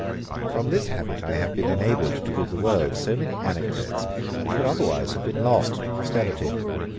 From this habit I have been enabled to give the world so many anecdotes, which would otherwise have been lost to posterity.